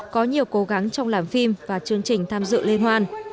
có nhiều cố gắng trong làm phim và chương trình tham dự liên hoan